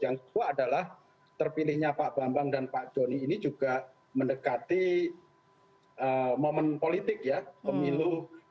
yang kedua adalah terpilihnya pak bambang dan pak doni ini juga mendekati momen politik ya pemilu dua ribu dua puluh